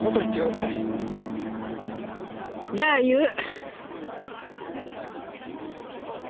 じゃあ言う。